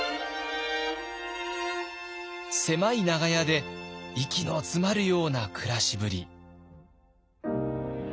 狭い長屋で息の詰まるような暮らしぶり。